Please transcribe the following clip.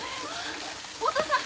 お父さん！